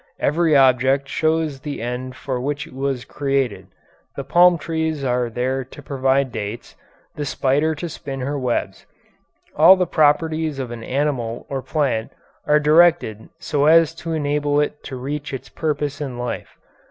Every object shows the end for which it was created. The palm trees are there to provide dates; the spider to spin her webs. All the properties of an animal or a plant are directed so as to enable it to reach its purpose in life.